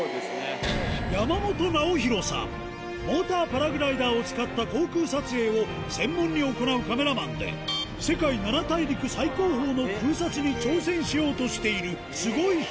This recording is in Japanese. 山本直洋さん、モーターパラグライダーを使った航空撮影を専門に行うカメラマンで、世界七大陸最高峰の空撮に挑戦しようとしているすごい人。